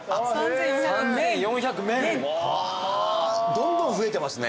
どんどん増えてますね。